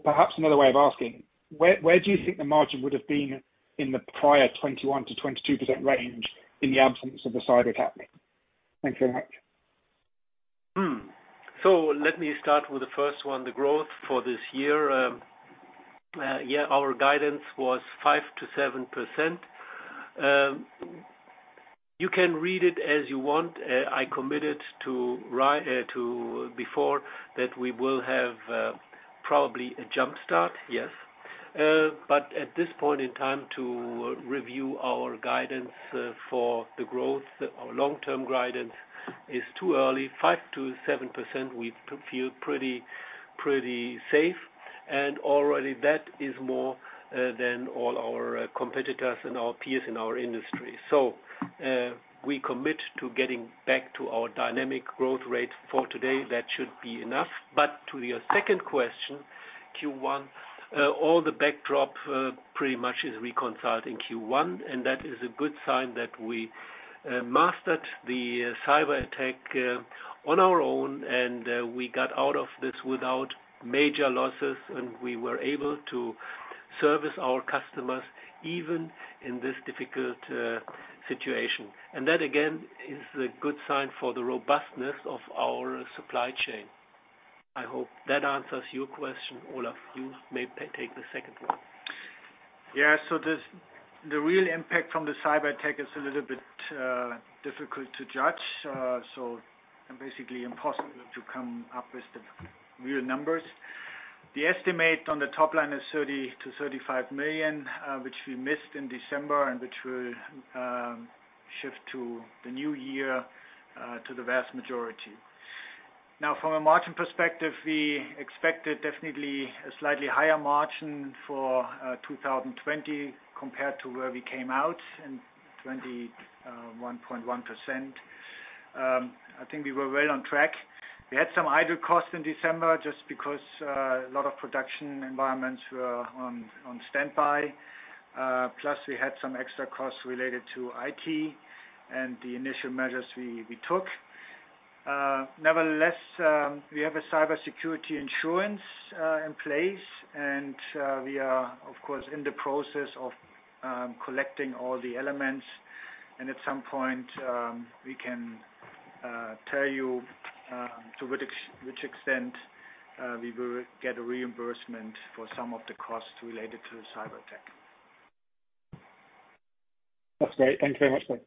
Perhaps another way of asking, where do you think the margin would have been in the prior 21%-22% range in the absence of the cyber attack? Thank you very much. Let me start with the first one, the growth for this year. Yeah, our guidance was 5%-7%. You can read it as you want. I committed before that we will have probably a jumpstart, yes. At this point in time to review our guidance for the growth, our long-term guidance is too early. 5%-7%, we feel pretty safe, and already that is more than all our competitors and our peers in our industry. We commit to getting back to our dynamic growth rate. For today, that should be enough. To your second question, Q1, all the backdrop pretty much is reconciled in Q1, and that is a good sign that we mastered the cyber attack on our own and we got out of this without major losses, and we were able to service our customers even in this difficult situation. That, again, is a good sign for the robustness of our supply chain. I hope that answers your question. Olaf, you may take the second one. The real impact from the cyber attack is a little bit difficult to judge. Basically impossible to come up with the real numbers. The estimate on the top line is 30 million-35 million, which we missed in December and which will shift to the new year to the vast majority. From a margin perspective, we expected definitely a slightly higher margin for 2020 compared to where we came out in 21.1%. I think we were well on track. We had some idle costs in December just because a lot of production environments were on standby. We had some extra costs related to IT and the initial measures we took. We have a cybersecurity insurance in place, and we are, of course, in the process of collecting all the elements. At some point, we can tell you to which extent we will get a reimbursement for some of the costs related to the cyberattack. That's great. Thank you very much.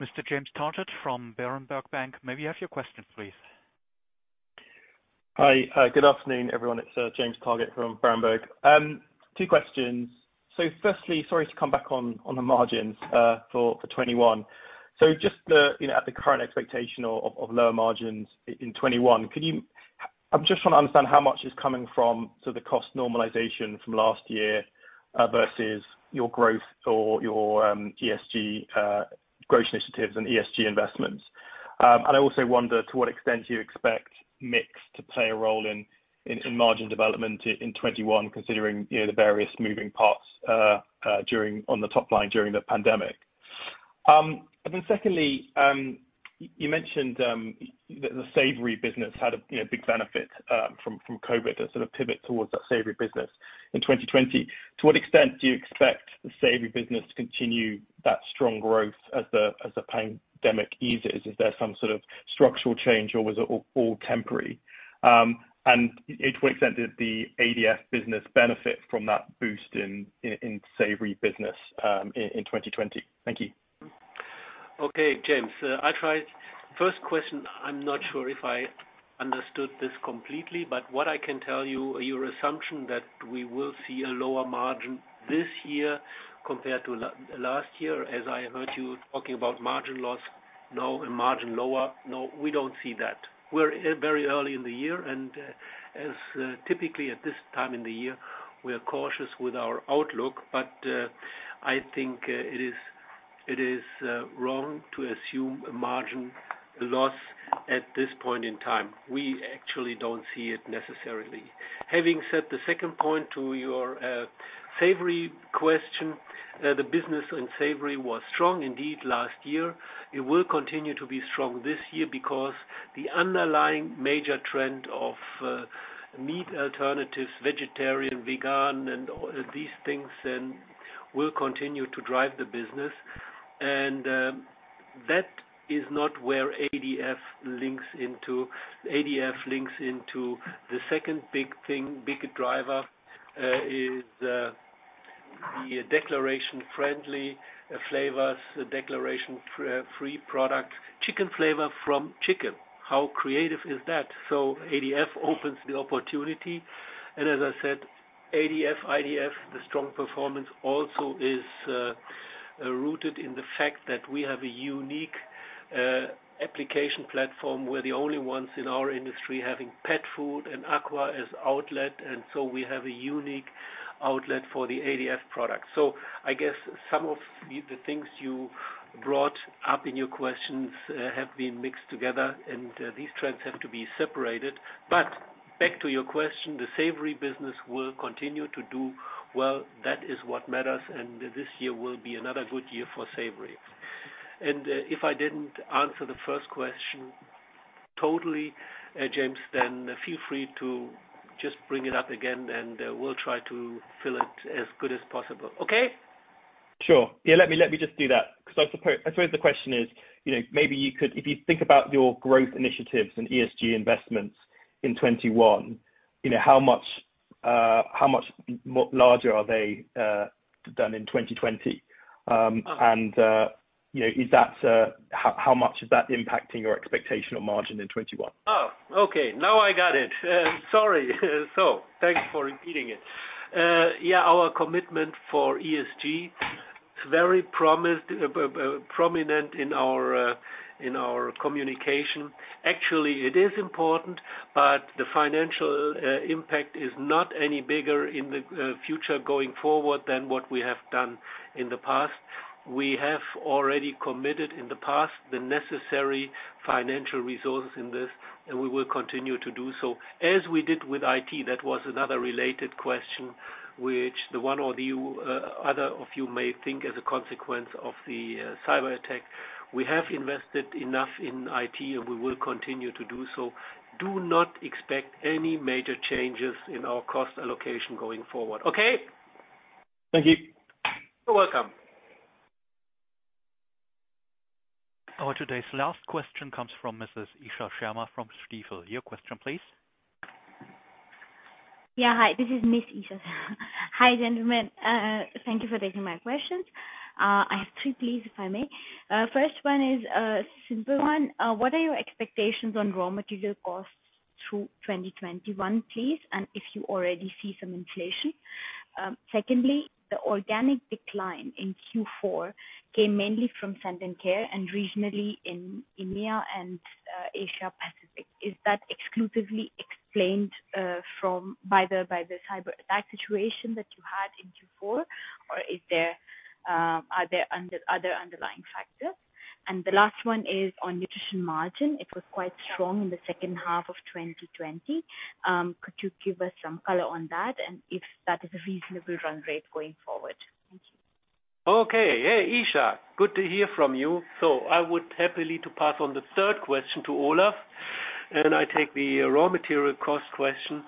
Mr. James Targett from Berenberg Bank, may we have your questions, please? Hi. Good afternoon, everyone. It's James Targett from Berenberg. Two questions. Firstly, sorry to come back on the margins for 2021. Just at the current expectation of lower margins in 2021, I just want to understand how much is coming from the cost normalization from last year versus your growth or your growth initiatives and ESG investments. I also wonder to what extent you expect mix to play a role in margin development in 2021, considering the various moving parts on the top line during the pandemic. Secondly, you mentioned that the savory business had a big benefit from COVID, that sort of pivot towards that savory business in 2020. To what extent do you expect the savory business to continue that strong growth as the pandemic eases? Is there some sort of structural change or was it all temporary? To what extent did the ADF business benefit from that boost in savory business in 2020? Thank you. Okay, James. First question, I'm not sure if I understood this completely. What I can tell you, your assumption that we will see a lower margin this year compared to last year, as I heard you talking about margin loss now and margin lower. No, we don't see that. We're very early in the year. As typically at this time in the year, we are cautious with our outlook. I think it is wrong to assume a margin loss at this point in time. We actually don't see it necessarily. Having said the second point to your savory question, the business in savory was strong indeed last year. It will continue to be strong this year because the underlying major trend of meat alternatives, vegetarian, vegan, and all these things will continue to drive the business. That is not where ADF links into. ADF links into the second big thing, big driver, is the declaration-friendly flavors, the declaration free product. Chicken flavor from chicken. How creative is that? ADF opens the opportunity. As I said, ADF/IDF, the strong performance also is rooted in the fact that we have a unique application platform. We're the only ones in our industry having pet food and aqua as outlet. We have a unique outlet for the ADF product. I guess some of the things you brought up in your questions have been mixed together, and these trends have to be separated. Back to your question, the savory business will continue to do well. That is what matters, and this year will be another good year for savory. If I didn't answer the first question totally, James, then feel free to just bring it up again and we'll try to fill it as good as possible. Okay? Sure. Yeah, let me just do that, because I suppose the question is, maybe if you think about your growth initiatives and ESG investments in 2021, how much larger are they than in 2020? Oh. How much is that impacting your expectational margin in 2021? Oh, okay. Now I got it. Sorry. Thank you for repeating it. Our commitment for ESG, it's very prominent in our communication. Actually, it is important. The financial impact is not any bigger in the future going forward than what we have done in the past. We have already committed in the past the necessary financial resources in this. We will continue to do so, as we did with IT. That was another related question, which the one or the other of you may think as a consequence of the cyberattack. We have invested enough in IT. We will continue to do so. Do not expect any major changes in our cost allocation going forward. Okay? Thank you. You're welcome. Our today's last question comes from Mrs. Isha Sharma from Stifel. Your question, please. Hi, this is Isha. Hi, gentlemen. Thank you for taking my questions. I have three, please, if I may. The first one is a simple one. What are your expectations on raw material costs through 2021, please, and if you already see some inflation? Secondly, the organic decline in Q4 came mainly from Health and Care and regionally in EMEA and Asia Pacific. Is that exclusively explained by the cyber attack situation that you had in Q4, or are there other underlying factors? The last one is on Nutrition margin. It was quite strong in the second half of 2020. Could you give us some color on that, and if that is a reasonable run rate going forward? Thank you. Okay. Yeah, Isha, good to hear from you. I would happily pass on the third question to Olaf, and I take the raw material cost question.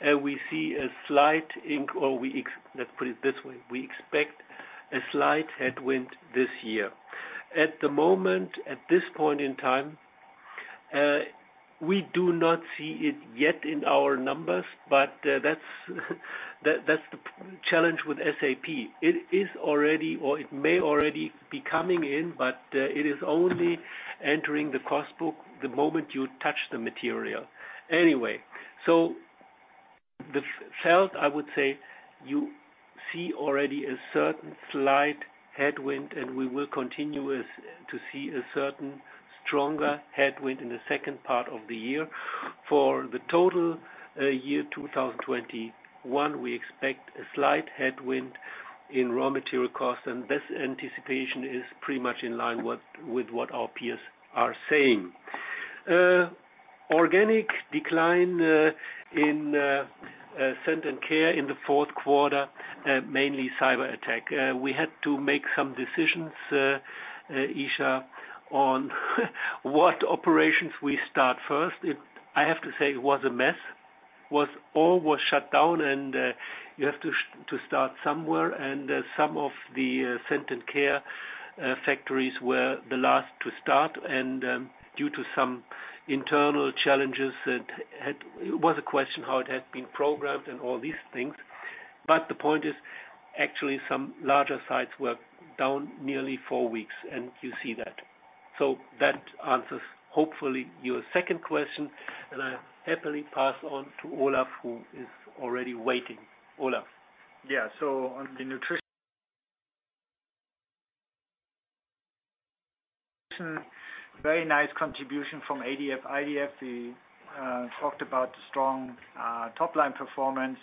Let's put it this way. We expect a slight headwind this year. At the moment, at this point in time, we do not see it yet in our numbers, but that's the challenge with SAP. It may already be coming in, but it is only entering the cost book the moment you touch the material. The sales, I would say you see already a certain slight headwind, and we will continue to see a certain stronger headwind in the second part of the year. For the total year 2021, we expect a slight headwind in raw material costs, and this anticipation is pretty much in line with what our peers are saying. Organic decline in Scent & Care in the fourth quarter, mainly cyber attack. We had to make some decisions, Isha, on what operations we start first. I have to say, it was a mess. All was shut down, and you have to start somewhere, and some of the Scent & Care factories were the last to start, and due to some internal challenges, it was a question how it had been programmed and all these things. The point is, actually some larger sites were down nearly four weeks, and you see that. That answers, hopefully, your second question, and I happily pass on to Olaf, who is already waiting. Olaf. On the Nutrition, very nice contribution from ADF/IDF. We talked about the strong top-line performance,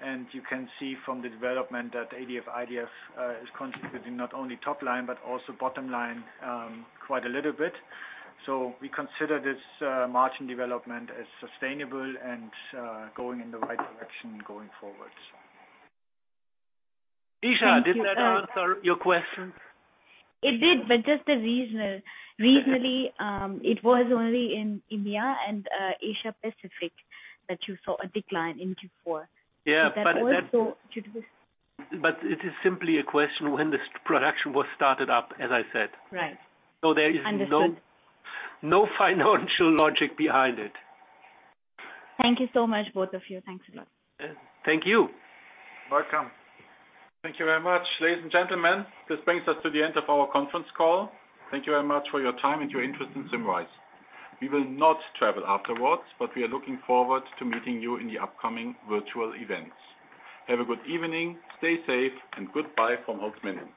and you can see from the development that ADF/IDF is contributing not only top line, but also bottom line quite a little bit. We consider this margin development as sustainable and going in the right direction going forward. Isha, did that answer your question? It did, but just the regional. Regionally, it was only in EMEA and Asia Pacific that you saw a decline in Q4. Yeah. Is that also due to this? It is simply a question when this production was started up, as I said. Right. So there is. Understood. No financial logic behind it. Thank you so much, both of you. Thanks a lot. Thank you. Welcome. Thank you very much, ladies and gentlemen. This brings us to the end of our conference call. Thank you very much for your time and your interest in Symrise. We will not travel afterwards, but we are looking forward to meeting you in the upcoming virtual events. Have a good evening, stay safe, and goodbye from Holzminden.